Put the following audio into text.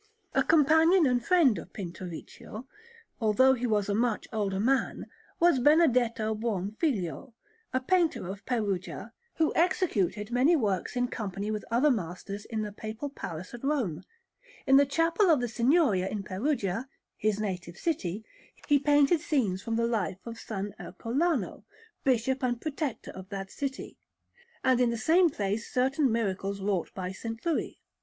A companion and friend of Pinturicchio, although he was a much older man, was Benedetto Buonfiglio, a painter of Perugia, who executed many works in company with other masters in the Papal Palace at Rome. In the Chapel of the Signoria in Perugia, his native city, he painted scenes from the life of S. Ercolano, Bishop and Protector of that city, and in the same place certain miracles wrought by S. Louis.